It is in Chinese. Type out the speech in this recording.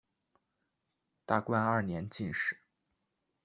大观二年进士。